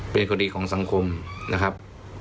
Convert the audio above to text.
เป็นคดีของสังคมนะครับ